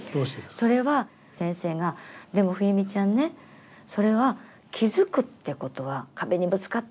それは先生が「でも冬美ちゃんねそれは気付くってことは壁にぶつかった。